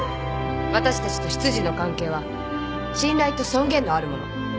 わたしたちと執事の関係は信頼と尊厳のあるもの。